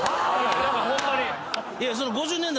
何かホンマに。